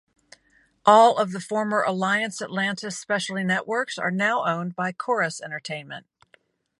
All of the former Alliance Atlantis specialty networks are now owned by Corus Entertainment.